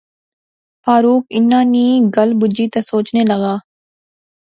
فاروق ان نی گل بجی تے سوچنے لاغا